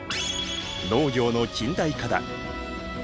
農業の近代化だ。